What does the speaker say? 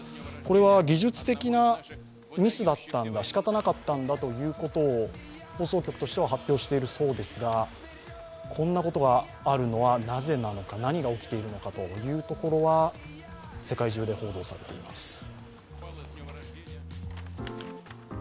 これは、技術的なミスだったんだしかたなかったんだということを放送局としては発表しているそうですが、こんなことがあるのはなぜなのか、何が起きているのかというところは世界中で報道されています。